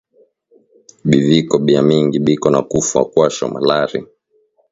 Biviko bia mingi biko na kufwa kwasho malari